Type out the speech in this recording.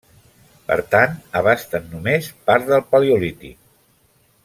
Per tant abasten només part del Paleolític.